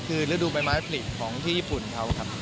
คือฤดูใบไม้ผลิตของที่ญี่ปุ่นเขาครับ